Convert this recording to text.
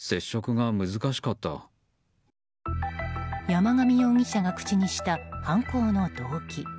山上容疑者が口にした犯行の動機。